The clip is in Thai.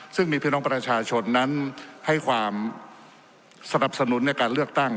ซึ่งมีพี่น้องประชาชนนั้นให้ความสนับสนุนในการเลือกตั้ง